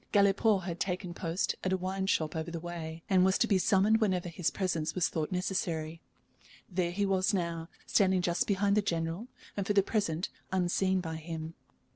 Galipaud had taken post at a wine shop over the way, and was to be summoned whenever his presence was thought necessary. There he was now, standing just behind the General, and for the present unseen by him.